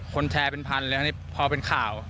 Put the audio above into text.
คนแชร์เป็นพนตั้งแต่พอเป็นข่าว